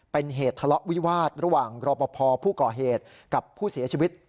เป็นเหตุทะเลาะวิวาสระหว่างรอปภผู้ก่อเหตุกับผู้เสียชีวิต